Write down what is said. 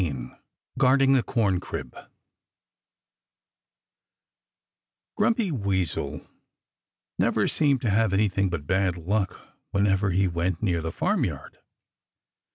XVI GUARDING THE CORNCRIB Grumpy Weasel never seemed to have anything but bad luck whenever he went near the farmyard.